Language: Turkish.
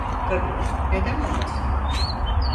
Tabii, neden olmasın?